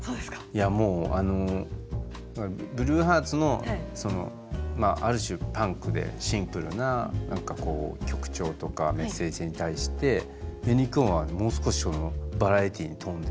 もうブルーハーツのある種パンクでシンプルな曲調とかメッセージに対してＵＮＩＣＯＲＮはもう少しバラエティーに富んでいるというか。